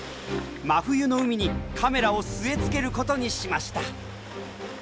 真冬の海にカメラを据え付けることにしました。